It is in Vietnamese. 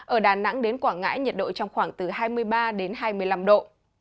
ở đà nẵng đến quảng ngãi nhiệt độ trong khoảng từ hai mươi ba đến hai mươi năm độ